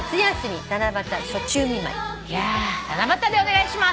「七夕」でお願いします。